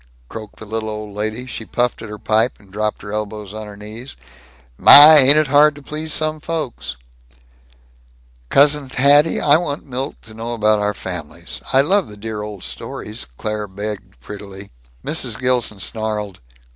croaked the little old lady. She puffed at her pipe, and dropped her elbows on her knees. "My, ain't it hard to please some folks." "Cousin Hatty, I want Milt to know about our families. I love the dear old stories," Claire begged prettily. Mrs. Gilson snarled.